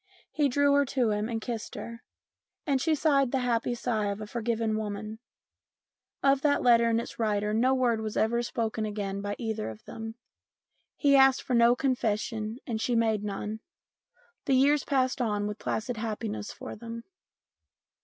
He drew her to him and kissed her, and she sighed the happy sigh of a forgiven woman. Of that letter and its writer no MINIATURES 225 word was ever spoken again by either of them. He asked for no confession and she made none. The years passed on with placid happiness for them.